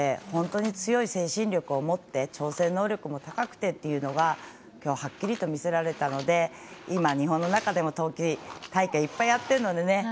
本当に精神力を持って調整能力も高くてというのがはっきりと見せられたので今、日本の中でも冬季大会いっぱいやってるのでね。